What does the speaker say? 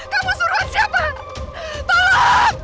kamu suruhan siapa